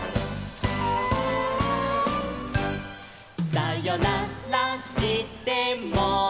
「さよならしても」